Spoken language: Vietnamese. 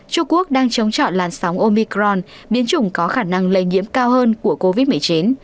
trung quốc đang chống chọn làn sóng omicron biến chủng có khả năng lây nhiễm cao hơn của covid một mươi chín